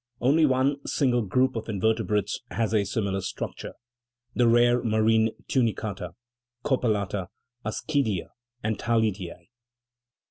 Only one single group of invertebrates has a similar structure : the rare, marine tunicata, copelata, ascidia, and thalidiae.